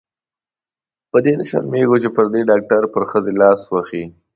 په دې نه شرمېږې چې پردې ډاکټر پر ښځې لاس وهي.